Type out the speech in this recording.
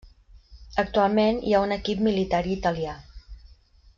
Actualment hi ha un equip militar italià.